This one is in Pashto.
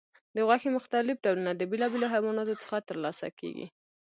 د غوښې مختلف ډولونه د بیلابیلو حیواناتو څخه ترلاسه کېږي.